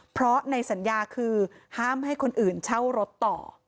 เพราะในสัญญาคือห้ามให้คนอื่นเช่ารถต่อ